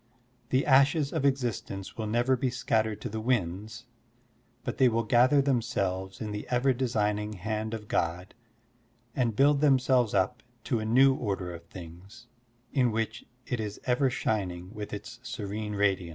The ashes of existence will never be scattered to the winds, but they will gather themselves in the ever designing hand of God and build themselves up to a new order of things, in which it is ever shining with its serene radiance.